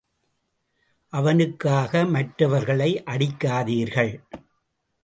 அவனுக்காக மற்றவர்களை அடிக்காதீர்கள்.